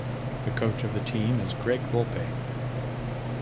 The coach of the team is Greg Volpe.